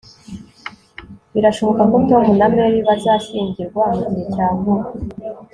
Birashoboka ko Tom na Mary bazashyingirwa mugihe cya vuba